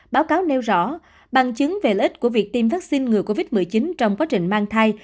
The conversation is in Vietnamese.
báo cáo nêu rõ bằng chứng về lợi ích của việc tiêm vaccine ngừa covid một mươi chín trong quá trình mang thai